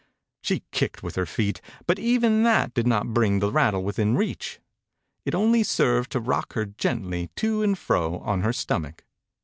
She kicked with her feet, but even that did not bring the rattle within reach; it only served to rock her gently to and fro on her stomach.